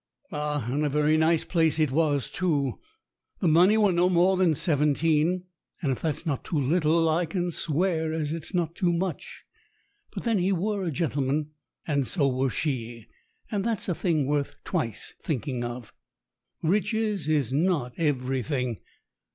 Ah, and a very nice place it was, too. The money were no more than seventeen, and if that's not too little I can swear as it's not too much. But then he were a gentleman, and so were she, and that's a thing worth twice thinking of. Riches is not everything.